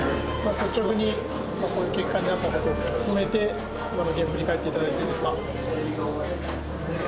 率直にこういう結果になった事を含めて今のゲーム振り返っていただいていいですか？